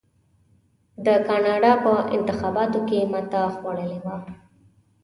د کاناډا په انتخاباتو کې ماته خوړلې وه.